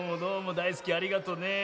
だいすきありがとうね。